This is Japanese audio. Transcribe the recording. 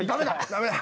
ダメだ！